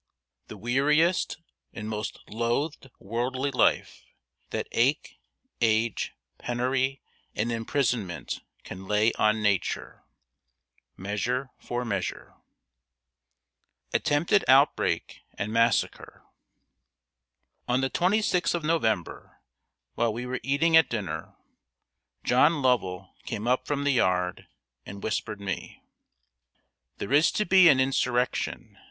The weariest and most loathed worldly life That ache, age, penury and imprisonment Can lay on nature. MEASURE FOR MEASURE. [Sidenote: ATTEMPTED OUTBREAK AND MASSACRE.] On the 26th of November, while we were sitting at dinner, John Lovell came up from the yard and whispered me: "There is to be an insurrection.